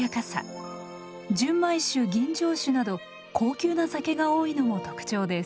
純米酒吟醸酒など高級な酒が多いのも特徴です。